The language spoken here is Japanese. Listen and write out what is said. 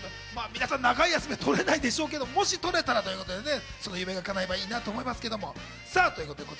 皆さん長い休みは取れないでしょうけど、もし取れたらということでね、その夢が叶えばいいと思います。